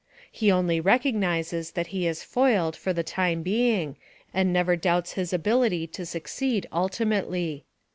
He only recognizes that he is foiled, for the time being, and never doubts his ability to succeed ultimately.